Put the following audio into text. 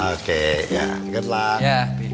oke ya semoga beruntung